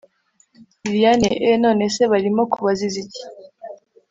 lilian eheee! nonese barimo kubaziza iki!